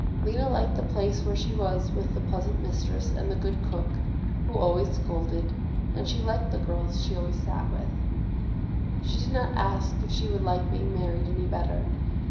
Lena liked the place where she was with the pleasant mistress and the good cook, who always scolded, and she liked the girls she always sat with. She did not ask if she would like being married any better.